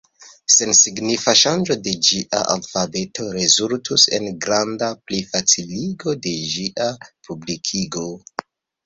Sensignifa ŝanĝo de ĝia alfabeto rezultus en granda plifaciligo de ĝia publikigo.